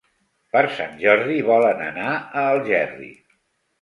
Per Sant Jordi volen anar a Algerri.